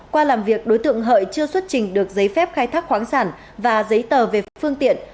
qua làm việc đối tượng hợi chưa xuất trình được giấy phép khai thác khoáng sản và giấy tờ về phương tiện